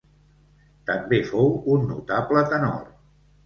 També fou un notable tenor.